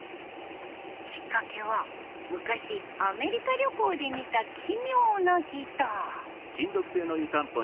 きっかけは昔アメリカ旅行で見た奇妙なギター。